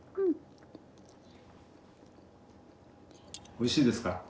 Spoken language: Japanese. おいしいですか？